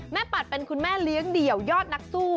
ปัดเป็นคุณแม่เลี้ยงเดี่ยวยอดนักสู้